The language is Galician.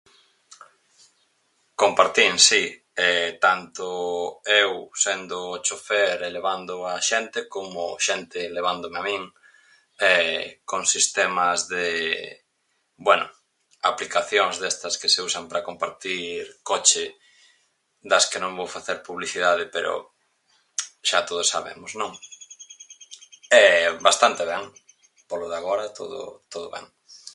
Compartín si, tanto eu sendo chofer e levando a xente como xente levándome a min, con sistemas de, bueno, aplicacións destas que se usan pra compartir coche, das que non vou facer publicidade, pero xa todos sabemos, non? Bastante ben, polo de agora todo todo ben.